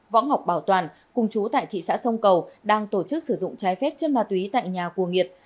võ ngọc bảo toàn cùng chú tại thị xã sông cầu đang tổ chức sử dụng trái phép chân ma túy tại nhà cua nhiệt